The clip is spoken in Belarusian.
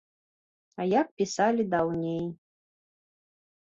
А як пісалі даўней.